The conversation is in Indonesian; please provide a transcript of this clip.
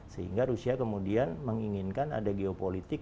sehingga rusia kemudian menginginkan ada geopolitik